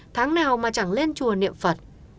tháng nào mà chẳng lên chùa niệm phật